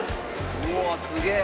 うわっすげえ。